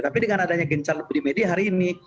tapi dengan adanya kincaar lebih di media hari ini